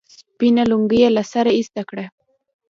سپينه لونگۍ يې له سره ايسته کړه.